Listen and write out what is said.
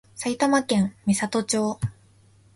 埼玉県美里町